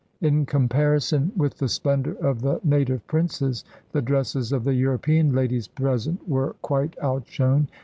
In comparison with the splendor of the native princes, the dresses of the European ladies present were quite outshone.